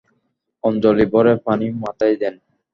অঞ্জলি ভরে পানি মাথায় দেন।